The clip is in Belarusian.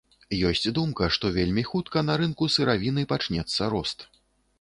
Ёсць думка, што вельмі хутка на рынку сыравіны пачнецца рост.